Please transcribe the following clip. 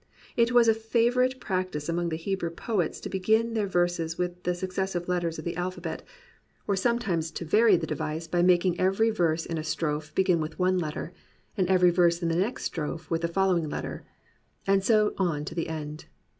It was a favourite prac tice among Hebrew poets to begin their verses with the successive letters of the alphabet, or sometimes 46 POETRY IN THE PSALMS to vary the device by making every verse in a strophe begin with one letter, and every verse in the next strophe with the following letter, and so on to the end.